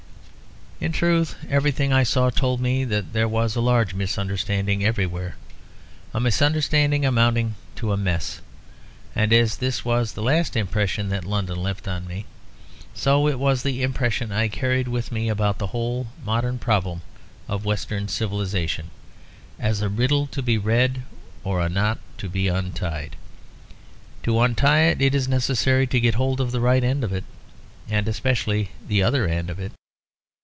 In truth everything I saw told me that there was a large misunderstanding everywhere; a misunderstanding amounting to a mess. And as this was the last impression that London left on me, so it was the impression I carried with me about the whole modern problem of Western civilisation, as a riddle to be read or a knot to be untied. To untie it it is necessary to get hold of the right end of it, and especially the other end of it.